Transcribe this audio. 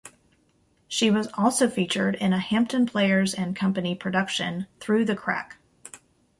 She was also featured in a Hampton Players and Company production, Through the Crack.